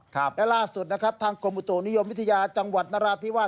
และล่าสุดทางคมุตูนิยมวิทยาจังหวัดนราธิวาย์